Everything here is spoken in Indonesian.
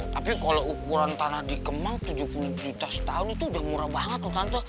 tapi kalau ukuran tanah di kemang tujuh puluh juta setahun itu udah murah banget ke kantor